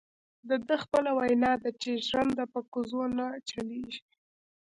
دده خپله وینا ده چې ژرنده په کوزو نه چلیږي.